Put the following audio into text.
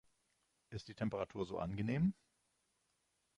Ist die Temperatur so angenehm?